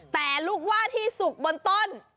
แต่ลูกว่าที่สุกบนต้น